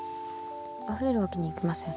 「溢れるわけにはいきません